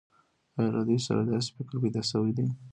آیا له دوی سره داسې فکر پیدا شوی دی